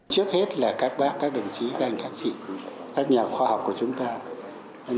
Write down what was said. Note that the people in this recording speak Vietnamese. trước hết là các bác các đồng chí các anh các chị các nhà khoa học của chúng ta